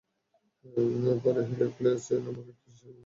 পরে হিরাক্লিয়াস নামক এক খ্রিষ্টান নরপতি হামলা চালিয়ে সিরিয়া দখল করে নেয়।